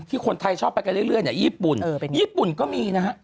ที่คนไทยชอบไปเรื่อยญี่ปุ่นก็มีนะฮะ